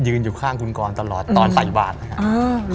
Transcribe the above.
อยู่ข้างคุณกรตลอดตอนใส่บาทนะครับ